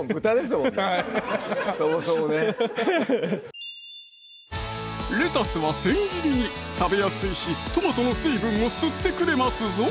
そもそもねハハハハッレタスは千切りに食べやすいしトマトの水分を吸ってくれますぞ